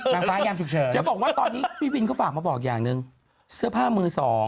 ย้อนหวัยยมสุดเจ้าบอกว่าตอนนี้พี่ได้ปล่อยมาบอกอย่างนึงเสื้อผ้ามือสอง